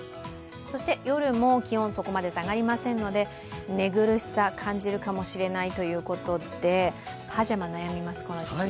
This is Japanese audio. そして夜も気温、そこまで下がりませんので寝苦しさ、感じるかもしれないということでパジャマ悩みます、この時期。